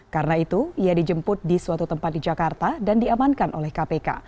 karena itu ia dijemput di suatu tempat di jakarta dan diamankan oleh kpk